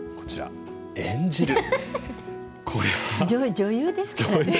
女優ですからね。